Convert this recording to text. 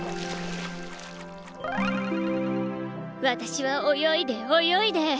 私は泳いで泳いで。